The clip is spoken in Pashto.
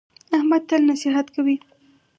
احمد تل نصیحت کوي.